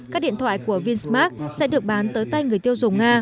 các điện thoại của vinsmart sẽ được bán tới tay người tiêu dùng nga